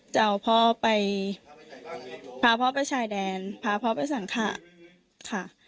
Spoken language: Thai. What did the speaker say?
จะเอาพ่อไปพาพ่อไปชายแดนพาพ่อไปสังขะค่ะ